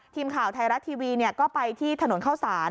ทีมข่าวไทยรัฐทีวีก็ไปที่ถนนเข้าสาร